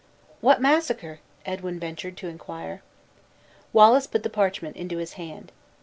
"What massacre?" Edwin ventured to inquire. Wallace put the parchment into his hand.